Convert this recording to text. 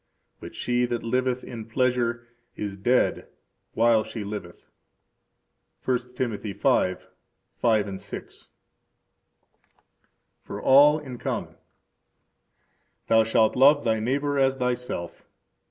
But she that liveth in pleasure is dead while she liveth. 1 Tim. 5:5 6. For All in Common. Thou shalt love thy neighbor as thyself.